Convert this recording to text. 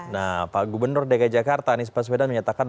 nah pak gubernur dki jakarta anies baswedan menyatakan